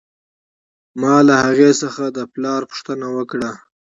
ما له هغې څخه د پلار پوښتنه وکړه